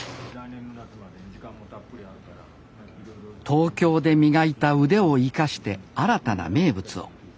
東京で磨いた腕を生かして新たな名物を。